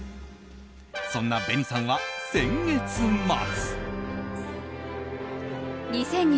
そんなＢＥＮＩさんは先月末。